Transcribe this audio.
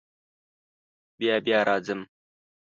بیا بیا راځم.